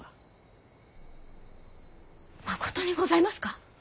まことにございますか！？